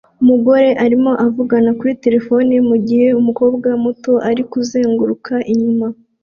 Umugore arimo avugana kuri terefone mugihe umukobwa muto arimo kuzunguruka inyuma